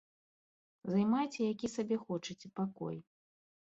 Займайце які сабе хочаце пакой.